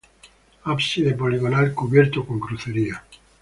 Ábside poligonal cubierto con crucería.